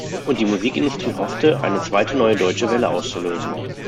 Und die Musikindustrie hoffte, eine zweite Neue Deutsche Welle auszulösen.